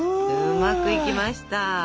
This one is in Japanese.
うまくいきました！